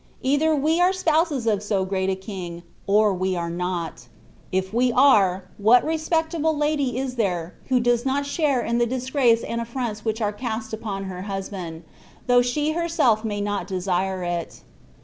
Either we are spouses of so great a king, or we are not ; if we are, what respectable lady is there, who does not share in the disgrace and affronts which are cast upon her husband, though she herself may not desire it.